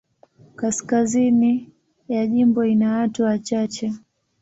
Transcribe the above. Kaskazini ya jimbo ina watu wachache.